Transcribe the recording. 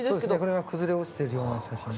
これが崩れ落ちているような写真に。